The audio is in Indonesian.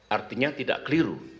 artinya tidak keliru